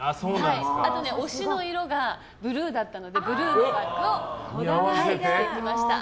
あとね推しの色がブルーだったのでブルーのバッグを持たせていただきました。